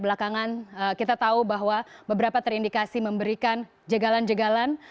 belakangan kita tahu bahwa beberapa terindikasi memberikan jegalan jegalan